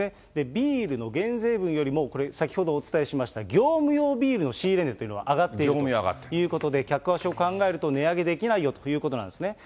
ビールの減税分よりも、これ、先ほどお伝えしました業務用ビールの仕入れ値っていうのが上がっ業務用が上がっていると。ということで、客足を考えると値上げできないよということなんですね。